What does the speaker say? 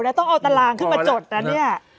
แล้วต้องเอาตารางขึ้นมาจดนะเนี่ย